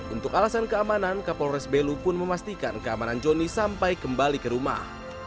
untuk alasan keamanan kapolres belu pun memastikan keamanan joni sampai kembali ke rumah